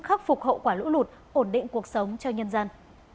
khắc phục hậu quả lũ lụt ổn định cuộc sống cho nhân dân